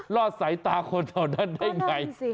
อดสายตาคนแถวนั้นได้ไง